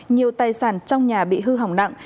nhiều tài sản trong nhà bị hư hỏng nặng